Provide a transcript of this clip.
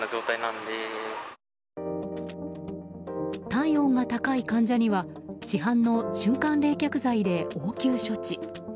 体温が高い患者には市販の瞬間冷却剤で応急処置。